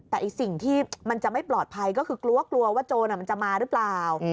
แต่สิ่งที่มันจะไม่ปลอดภัยก็คือกลัวกลัวว่าโจรมันจะมาหรือเปล่า